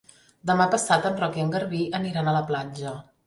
Demà passat en Roc i en Garbí aniran a la platja.